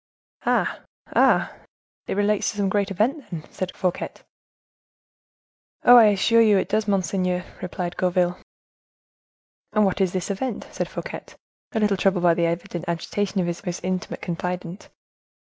"Ah! ah! it relates to some great event, then?" asked Fouquet. "Oh! I assure you it does, monseigneur," replied Gourville. "And what is this event?" said Fouquet, a little troubled by the evident agitation of his most intimate confidant.